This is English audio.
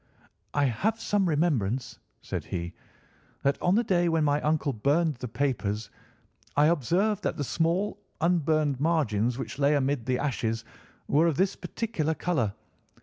"I have some remembrance," said he, "that on the day when my uncle burned the papers I observed that the small, unburned margins which lay amid the ashes were of this particular colour.